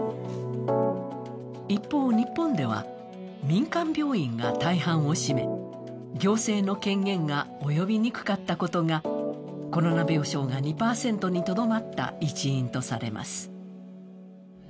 一方、日本では民間病院が大半を占め行政の権限が及びにくかったことがコロナ病床が２％にとどまった一因とされます。